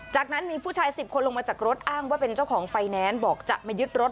จากนั้นมีผู้ชาย๑๐คนลงมาจากรถอ้างว่าเป็นเจ้าของไฟแนนซ์บอกจะมายึดรถ